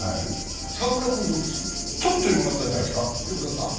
澤村はちょっとよくなったんじゃないですか。